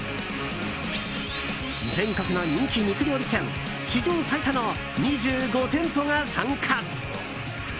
全国の人気肉料理店史上最多の２５店舗が参加！